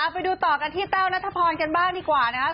ไปดูต่อกันที่แต้วนัทพรกันบ้างดีกว่านะครับ